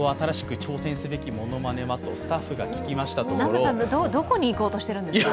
南波さん、どこに行こうとしているんですか？